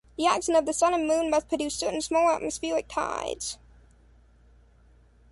The action of the sun and moon must produce certain small atmospheric tides.